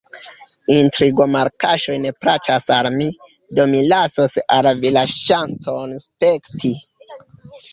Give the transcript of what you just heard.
Intrigo-malkaŝoj ne plaĉas al mi, do mi lasos al vi la ŝancon spekti.